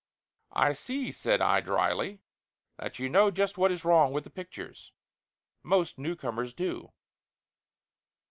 "I see," said I dryly, "that you know just what is wrong with the pictures. Most newcomers do."